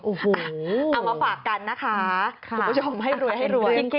โอ้โหเอามาฝากกันนะคะคุณผู้ชมให้รวยให้รวยจริง